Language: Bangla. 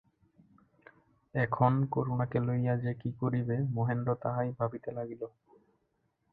এখন করুণাকে লইয়া যে কী করিবে মহেন্দ্র তাহাই ভাবিতে লাগিল।